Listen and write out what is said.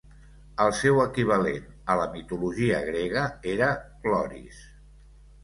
El seu equivalent a la mitologia grega era Cloris.